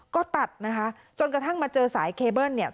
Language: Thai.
ก็ตัดนะคะจนกระทั่งมาเจอสายเคเบิ้ลเนี่ย